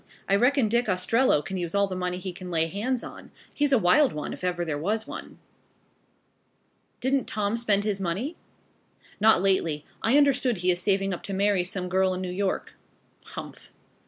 I reckon Dick Ostrello can use all the money he can lay hands on. He's a wild one, if ever there was one." "Don't Tom spend his money?" "Not lately. I understand he is saving up to marry some girl in New York." "Humph."